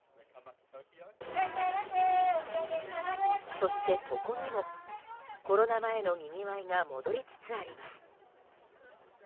そして、ここにもコロナ前のにぎわいが戻りつつあります。